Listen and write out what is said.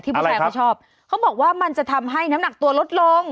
ผู้ชายเขาชอบเขาบอกว่ามันจะทำให้น้ำหนักตัวลดลง